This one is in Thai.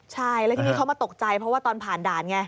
ใช่แล้วทีนี้เขามาตกใจเพราะว่าตอนผ่านด่านไง